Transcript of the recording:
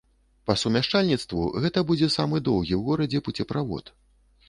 Па сумяшчальніцтву, гэта будзе самы доўгі ў горадзе пуцеправод.